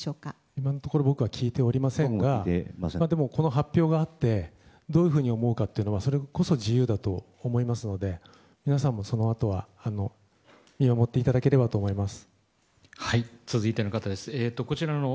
今のところ僕は聞いておりませんがこの発表があってどういうふうに思うかはそれこそ自由だと思いますので皆さんもそのあとは見守っていただければと思います。